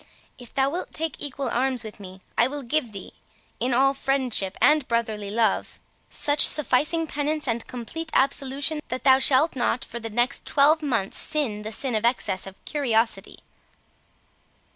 If thou wilt take equal arms with me, I will give thee, in all friendship and brotherly love, such sufficing penance and complete absolution, that thou shalt not for the next twelve months sin the sin of excess of curiosity."